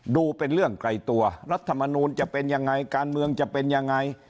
ดูเป็นเรื่องไกลตัวรัฐมนูลจะเป็นยังไงการเมืองจะเป็นยังไง